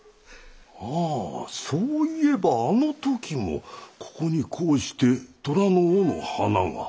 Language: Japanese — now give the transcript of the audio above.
ああそういえばあの時もここにこうして虎の尾の花が。